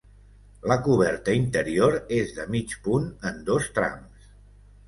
La coberta interior és de mig punt, en dos trams.